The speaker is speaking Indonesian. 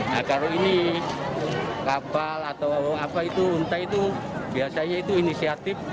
nah kalau ini kapal atau apa itu untai itu biasanya itu inisiatif